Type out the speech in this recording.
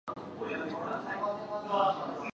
There were no children from the two marriages.